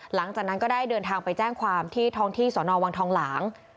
หลังจากนั้นก็ได้เดินทางไปแจ้งความที่ท้องที่สนวังทองหลาง